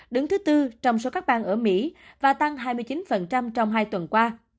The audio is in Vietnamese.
đứng thứ tư trong số các bang ở mỹ và tăng hai mươi chín trong hai tuần qua